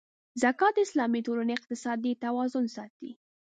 زکات د اسلامي ټولنې اقتصادي توازن ساتي.